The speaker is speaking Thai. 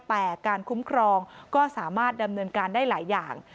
แต่การคุ้มครองก็สามารถดำเนินการได้หลายอย่าง